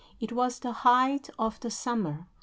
It was the height of the summer.